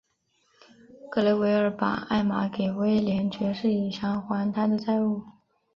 格雷维尔把艾玛给威廉爵士以偿还他的债务。